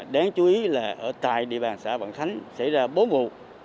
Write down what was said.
đáng chú ý là ở tại địa bàn xã vạn khánh xảy ra bốn vụ